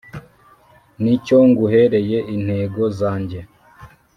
Ni cyo nguhereye intego zanjye".